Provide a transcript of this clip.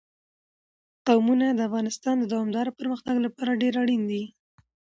قومونه د افغانستان د دوامداره پرمختګ لپاره ډېر اړین دي.